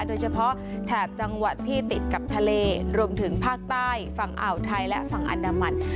แถบจังหวัดที่ติดกับทะเลรวมถึงภาคใต้ฝั่งอ่าวไทยและฝั่งอันดามัน